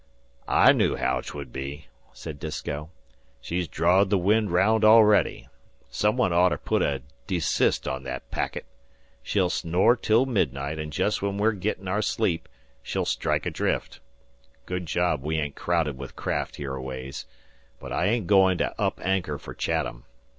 "I knew haow 'twould be," said Disko. "She's drawed the wind raound already. Some one oughter put a deesist on thet packet. She'll snore till midnight, an' jest when we're gettin' our sleep she'll strike adrift. Good job we ain't crowded with craft hereaways. But I ain't goin' to up anchor fer Chatham.